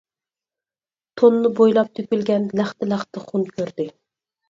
توننى بويلاپ تۆكۈلگەن، لەختە-لەختە خۇن كۆردى.